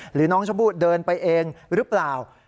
หรือน้องชมพู่เดินไปเองหรือเปล่า